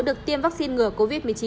được tiêm vaccine ngừa covid một mươi chín